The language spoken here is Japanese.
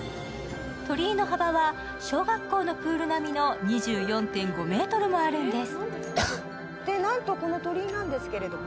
鳥居の幅は小学校のプール並みの２４．５ｍもあるんです。